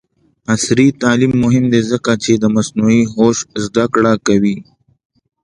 عصري تعلیم مهم دی ځکه چې د مصنوعي هوش زدکړه کوي.